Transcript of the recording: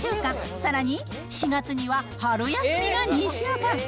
さらに４月には春休みが２週間。